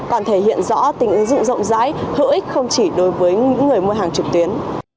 còn thể hiện rõ tình ứng dụng rộng rãi hữu ích không chỉ đối với những người mua hàng trực tuyến